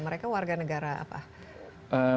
mereka warga negara apa